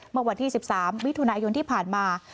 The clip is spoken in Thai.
เมื่อวันที่๑๓มิถุนายนที่ผ่านมา